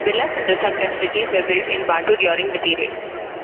Villas and resort facilities were built in Batu during the period.